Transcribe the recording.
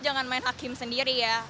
jangan main hakim sendiri ya